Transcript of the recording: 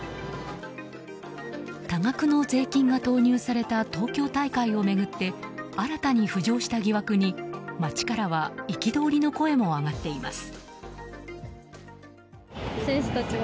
多額の税金が投入された東京大会を巡って新たに浮上した疑惑に街からは憤りの声も上がっています。